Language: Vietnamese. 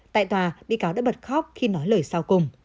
tại tòa bị cáo đã bật khóc khi nói lời sau cùng